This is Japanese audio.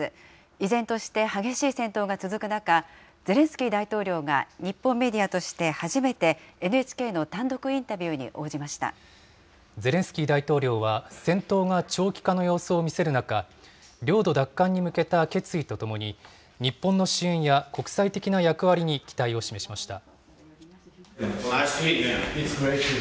依然として激しい戦闘が続く中、ゼレンスキー大統領が、日本メディアとして初めて、ＮＨＫの単独インタビューに応じましゼレンスキー大統領は、戦闘が長期化の様相を見せる中、領土奪還に向けた決意とともに、日本の支援や国際的な役割に期待を示しました。